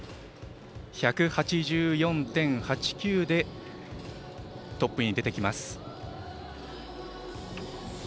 １８４．８９でトップに出てきます。